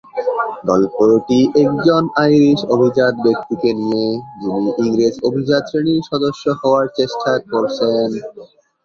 গল্পটি একজন আইরিশ অভিজাত ব্যক্তিকে নিয়ে, যিনি ইংরেজ অভিজাত শ্রেণির সদস্য হওয়ার চেষ্টা করছেন।